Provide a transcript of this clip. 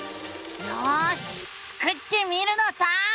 よしスクってみるのさ！